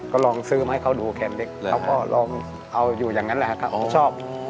ก็ลองซื้อมาให้เขาดูแคนเล็กเลยเขาก็ลองเอาอยู่อย่างนั้นแหละครับอ๋อชอบ